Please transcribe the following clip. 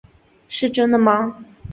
是真的吗？